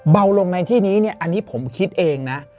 เบาลงในที่นี้เนี่ยอันนี้ผมคิดเองนะ